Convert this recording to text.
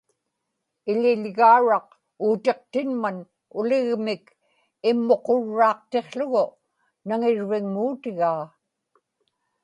iḷiḷgauraq uutiqtinman uligmik immuqurraaqtiqługu naŋirvigmuutigaa